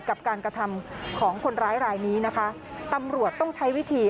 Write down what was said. กับการกระทำของคนร้ายรายนี้นะคะตำรวจต้องใช้วิธี